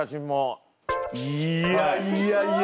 いやいやいや。